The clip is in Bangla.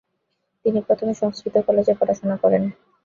তিনি প্রথমে সংস্কৃত কলেজে পড়াশোনা করেন ।